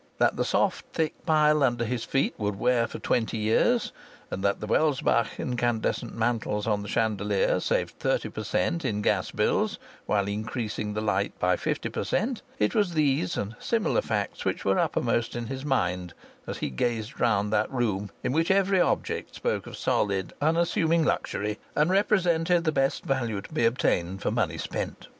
That the soft thick pile under his feet would wear for twenty years, and that the Welsbach incandescent mantles on the chandelier saved thirty per cent, in gas bills while increasing the light by fifty per cent.: it was these and similar facts which were uppermost in his mind as he gazed round that room, in which every object spoke of solid, unassuming luxury and represented the best value to be obtained for money spent.